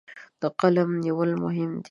د قلم نیول مهم دي.